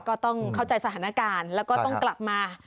ก็ต้องเข้าใจสถานการณ์แล้วก็ต้องกลับมา